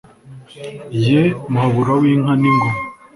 Ye Muhabura w'inka n'ingoma,